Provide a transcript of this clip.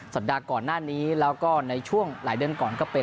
สัปดาห์ก่อนหน้านี้แล้วก็ในช่วงหลายเดือนก่อนก็เป็น